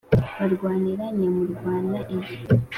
barwaniye nyamurwana iyi.